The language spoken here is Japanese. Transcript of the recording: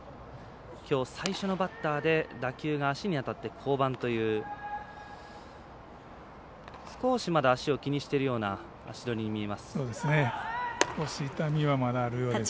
きょう最初のバッターで、打球が足に当たって降板という少しまだ足を気にしているような足取りに見えます。